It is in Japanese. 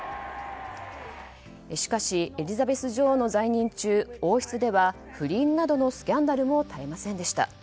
しかし、エリザベス女王の在任中王室では不倫などのスキャンダルも絶えませんでした。